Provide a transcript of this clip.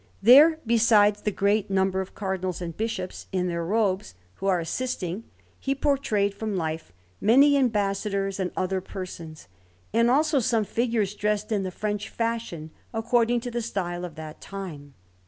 There, besides the great number of Cardinals and Bishops in their robes, who are assisting, he portrayed from life many Ambassadors and other persons, and also some figures dressed in the French fashion, according to the style of that time.